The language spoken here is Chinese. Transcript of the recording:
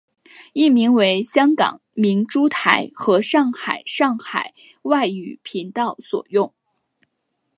译名为香港明珠台和上海上海外语频道所用。